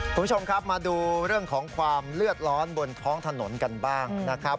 คุณผู้ชมครับมาดูเรื่องของความเลือดร้อนบนท้องถนนกันบ้างนะครับ